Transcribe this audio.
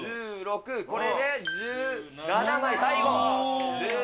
１６、これで１７枚。